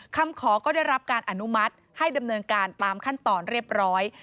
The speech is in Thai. คำขอก็ได้รับการอนุมัติให้ดำเนินการตามขั้นตอนเรียบร้อย